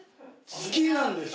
好きなんです